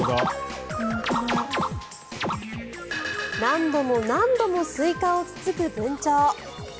何度も何度もスイカをつつくブンチョウ。